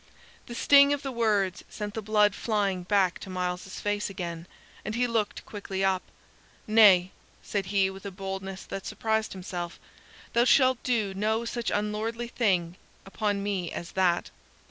The sting of the words sent the blood flying back to Myles's face again, and he looked quickly up. "Nay," said he, with a boldness that surprised himself; "thou shalt do no such unlordly thing upon me as that.